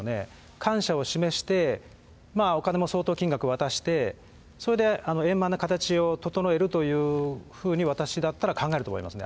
感謝を示して、お金も相当金額渡して、それで円満な形を整えるというふうに私だったら考えると思いますね。